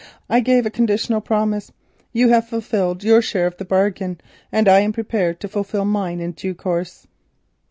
"I gave a conditional promise. You have fulfilled your share of the bargain, and I am prepared to fulfil mine in due course."